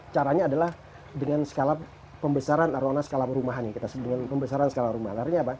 caranya adalah dengan skala pembesaran arwahannya skala rumahan